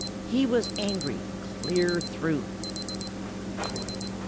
He was angry clear through.